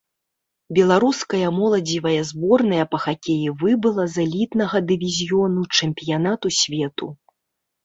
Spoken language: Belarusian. Беларуская моладзевая зборная па хакеі выбыла з элітнага дывізіёну чэмпіянату свету.